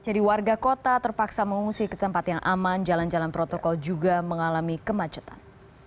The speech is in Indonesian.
jadi warga kota terpaksa mengungsi ke tempat yang aman jalan jalan protokol juga mengalami kemacetan